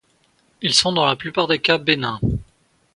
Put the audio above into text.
Ils sont dans la plupart des cas bénins.